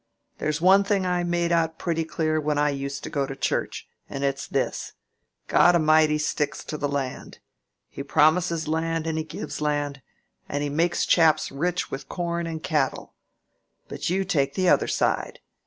There's one thing I made out pretty clear when I used to go to church—and it's this: God A'mighty sticks to the land. He promises land, and He gives land, and He makes chaps rich with corn and cattle. But you take the other side.